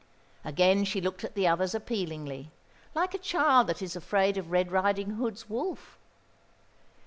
Again she looked at the others appealingly, like a child that is afraid of Red Riding hood's wolf.